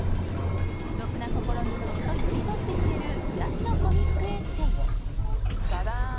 孤独な心にそっと寄り添ってくれる癒やしのコミックエッセイだだん！